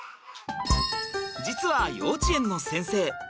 実は幼稚園の先生。